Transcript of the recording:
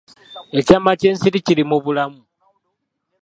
Ekyama ky’ensi kiri mu bulamu